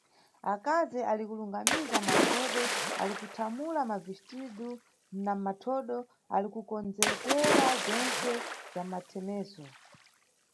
Akazi ali kulungamiza mandoto, ali kuthamula mavixitidu na mathodo, ali kukonzekera bzentse bza mathemezo.